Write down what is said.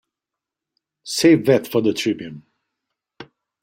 Save that for the Tribune.